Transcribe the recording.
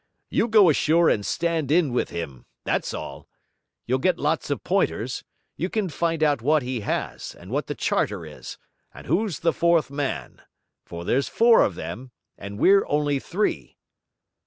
'You go ashore and stand in with him, that's all! You'll get lots of pointers; you can find out what he has, and what the charter is, and who's the fourth man for there's four of them, and we're only three.'